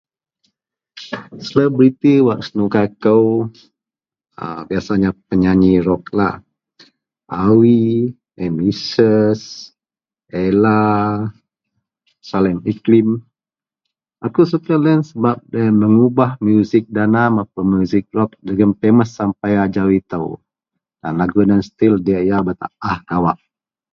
Selebriti wak senuka kou [a] biasanya penyanyi rock lah, Awie, Amy Search, Ella, Salim Iklim. Akou suka loyen sebap loyen mengubah musik Dana mapun musik rok jegem pemes sampai ajau itou [ai] lagu loyen still diyak bak taah kawak